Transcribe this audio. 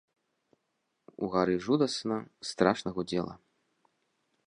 Угары жудасна, страшна гудзела.